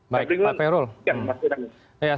baik pak fairol